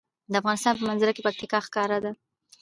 د افغانستان په منظره کې پکتیکا ښکاره ده.